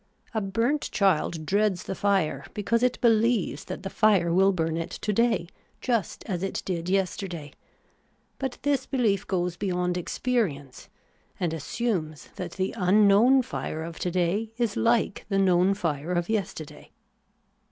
A burnt child dreads the fire, because it beheves that the fire will burn it to day just as it did yesterday ; but this behef goes beyond experience, and assumes that the unknown fire of to day is hke the known fire of yester day.